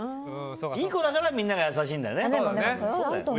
いい子だからみんなが優しいんだね。